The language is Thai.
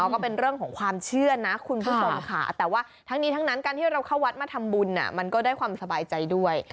ก็เป็นเรื่องของความเชื่อนะคุณผู้ชมค่ะแต่ว่าทั้งนี้ทั้งนั้นการที่เราเข้าวัดมาทำบุญมันก็ได้ความสบายใจด้วย